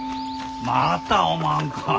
またおまんか。